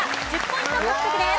１０ポイント獲得です。